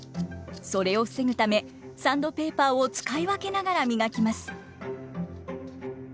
それを防ぐためサンドペーパーを使い分けながら磨きます。